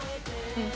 うん。